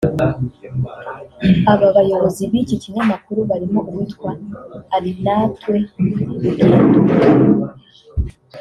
Aba bayobozi b’iki kinyamakuru barimo uwitwa Arinaitwe Rugyendo